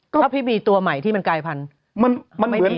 ถ้าพี่มีตัวใหม่ที่มันกลายพันธุ์